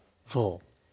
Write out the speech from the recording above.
そう。